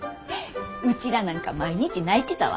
ウチらなんか毎日泣いてたわ。